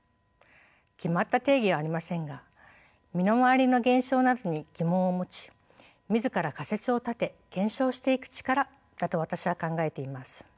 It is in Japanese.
決まった定義はありませんが身の回りの現象などに疑問を持ち自ら仮説を立て検証していく力だと私は考えています。